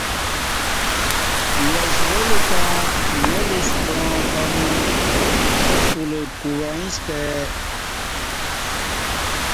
یش ول تں نہ لوس واں پمو ڄاکولہ کو وعیں ستہ ا ی